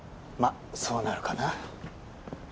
まぁそうなるかな